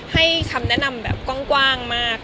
คำแนะนำแบบกว้างมาก